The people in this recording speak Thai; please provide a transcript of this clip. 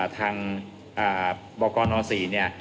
ทางบกรนอัน๔